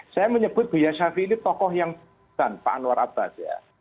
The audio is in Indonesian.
saya menyebut buya syafi ini tokoh yang buritan pak anwar abbas ya